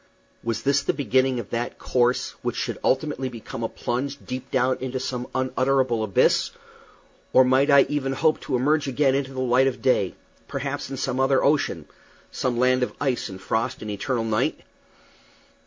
Was this the beginning of that course which should ultimately become a plunge deep down into some unutterable abyss? or might I ever hope to emerge again into the light of day perhaps in some other ocean some land of ice and frost and eternal night?